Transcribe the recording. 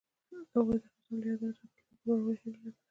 هغوی د خزان له یادونو سره راتلونکی جوړولو هیله لرله.